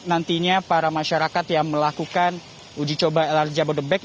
nantinya para masyarakat yang melakukan uji coba lrt jabodebek